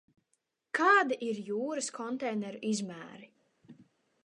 Kādi ir jūras konteineru izmēri?